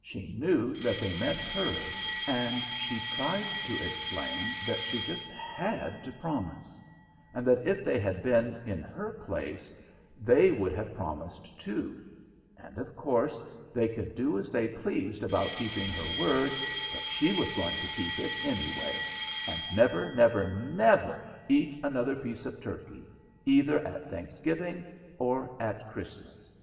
She knew that they meant her, and she tried to explain that she just had to promise, and that if they had been in her place they would have promised too; and of course they could do as they pleased about keeping her word, but she was going to keep it, anyway, and never, never, never eat another piece of turkey either at Thanksgiving or at Christmas.